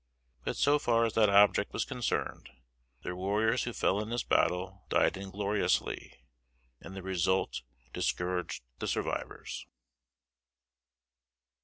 But so far as that object was concerned, their warriors who fell in this battle died ingloriously, and the result discouraged the survivors.